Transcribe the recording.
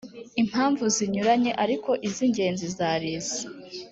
impamvu zinyuranye ariko iz ingenzi zari izi